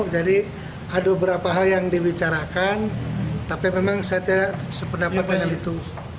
jadi ada beberapa hal yang dibicarakan tapi memang saya tidak sependapat dengan itu